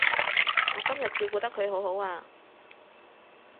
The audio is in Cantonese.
我今日照顧得佢好好啊